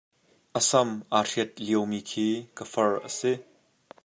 A sam aa hriat liomi khi ka far a si.